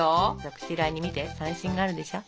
そっち側に見て三線があるでしょ。